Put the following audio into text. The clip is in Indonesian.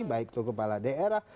baik kepala daerah